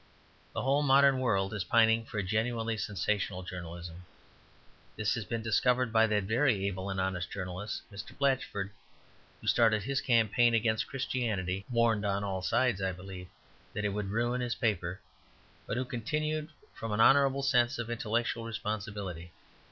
The whole modern world is pining for a genuinely sensational journalism. This has been discovered by that very able and honest journalist, Mr. Blatchford, who started his campaign against Christianity, warned on all sides, I believe, that it would ruin his paper, but who continued from an honourable sense of intellectual responsibility.